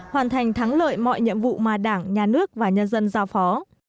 hoàn thành thắng lợi mọi nhiệm vụ mà đảng nhà nước và nhân dân giao phó